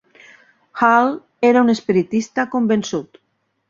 Hall era un espiritista convençut.